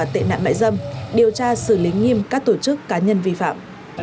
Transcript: tệ nạn mại dâm điều tra xử lý nghiêm các tổ chức cá nhân vi phạm